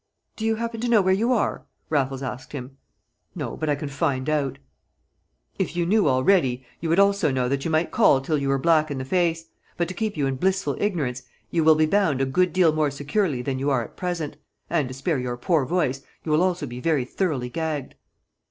"Do you happen to know where you are?" Raffles asked him. "No, but I can find out." "If you knew already you would also know that you might call till you were black in the face; but to keep you in blissful ignorance you will be bound a good deal more securely than you are at present. And to spare your poor voice you will also be very thoroughly gagged."